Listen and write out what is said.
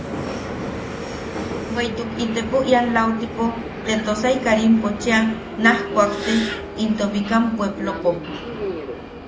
Bweʼituk itepo ian lautipo te Tosai Karimpo cheʼa naj kuakte into Bikam Puepplopo.